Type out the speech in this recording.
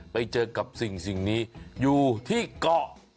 ไปเจอกับสิ่งนี้อยู่ที่เกาะ